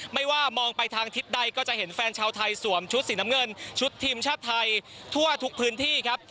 ไม่ว่ามองไปทางทิศใดก็จะเห็นแฟนชาวไทยสวมชุดสีน้ำเงินชุดทีมชาติไทยทั่วทุกพื้นที่ครับ